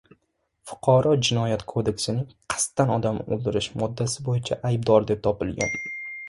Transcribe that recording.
Fuqaro Jinoyat kodeksining “qasddan odam o‘ldirish” moddasi bo‘yicha aybdor deb topilgan